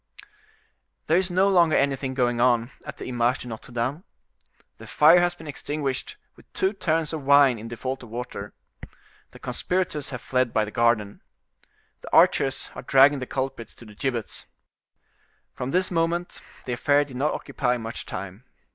There is no longer anything going on at the Image de Notre Dame. The fire has been extinguished with two tuns of wine in default of water. The conspirators have fled by the garden. The archers are dragging the culprits to the gibbets. From this moment the affair did not occupy much time.